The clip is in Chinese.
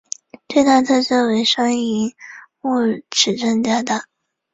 最大特色为双萤幕尺寸加大。